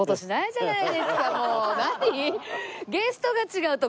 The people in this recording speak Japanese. もう何？